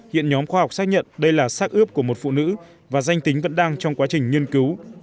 hiện nhóm khoa học xác nhận đây là sát ướp của một phụ nữ và danh tính vẫn đang trong quá trình nghiên cứu